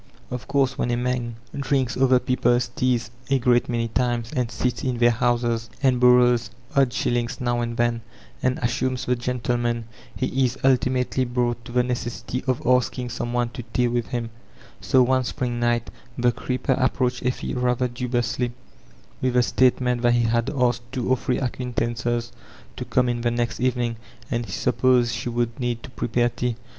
Of course when a man drinks other people's teas a great many times, and sits in their )iouses, and Borrows odd shiHings now and then, and assumes the gentleman, he is ultimately brought to the necessity of askii^ some one to tea with him; so one spring night the creeper approached Effie rather dubiously with the state ment that he had asked two or three acquaintances to come in the next evening, and he supposed she would need to prepare tea.